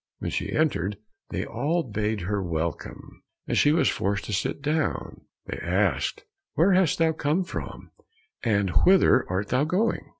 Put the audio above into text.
When she entered, they all bade her welcome, and she was forced to sit down. They asked, "Where hast thou come from, and whither art thou going?"